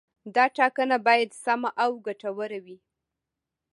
دا ټاکنه باید سمه او ګټوره وي.